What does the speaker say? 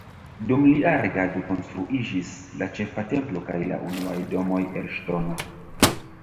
Dum lia regado konstruiĝis la Ĉefa Templo kaj la unuaj domoj el ŝtono.